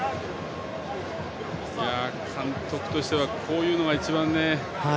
監督としてはこういうのが一番ね。